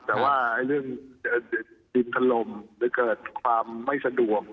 แต่ว่าเรื่องดินถล่มหรือเกิดความไม่สะดวก